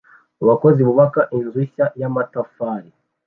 Abakozi bubaka inzu nshya y'amatafari